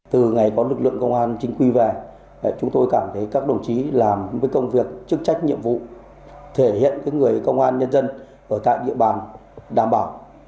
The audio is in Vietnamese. từ ngày có lực lượng công an chính quy về chúng tôi cảm thấy các đồng chí làm với công việc chức trách nhiệm vụ thể hiện người công an nhân dân ở tại địa bàn đảm bảo